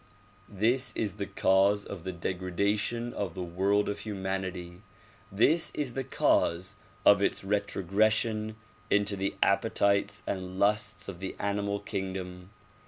This is the cause of the degradation of the world of humanity. This is the cause of its retrogression into the appetites and passions of the animal kingdom.